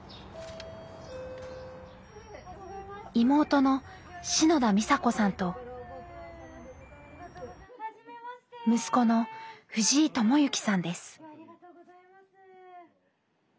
妹の篠田美紗子さんと息子の藤井智幸さんです。